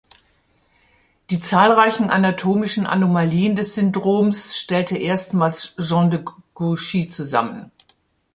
Die zahlreichen anatomischen Anomalien des Syndroms stellte erstmals Jean de Grouchy zusammen.